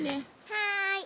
はい。